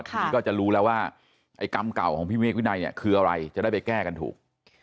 ทีนี้ก็จะรู้แล้วว่าไอ้กรรมเก่าของพี่เมฆวินัยเนี่ยคืออะไรจะได้ไปแก้กันถูก